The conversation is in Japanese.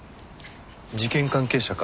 事件関係者か何か？